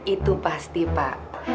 itu pasti pak